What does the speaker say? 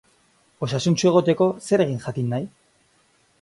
Osasuntsu egoteko zer egin jakin nahi?